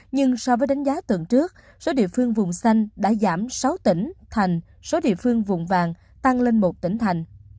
nhưng so với đánh giá tuần trước số địa phương vùng xanh đã giảm sáu tỉnh thành số địa phương vùng vàng tăng lên một tỉnh thành